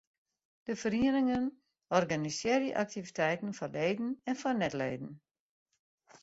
De ferieningen organisearje aktiviteiten foar leden en foar net-leden.